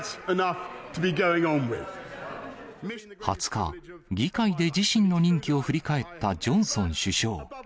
２０日、議会で自身の任期を振り返ったジョンソン首相。